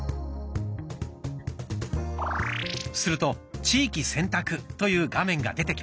すると「地域選択」という画面が出てきました。